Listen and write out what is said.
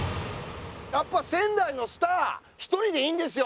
やっぱ仙台のスターは１人でいいんですよ！